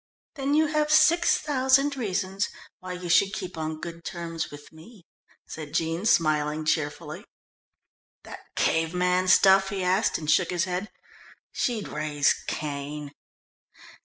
"Then you have six thousand reasons why you should keep on good terms with me," said Jean smiling cheerfully. "That cave man stuff?" he asked, and shook his head. "She'd raise Cain."